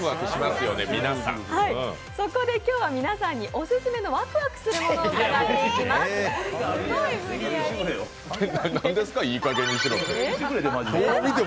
そこで今日は皆さんにオススメのワクワクするものを伺っていきますなんですか、いいかげんにしろって。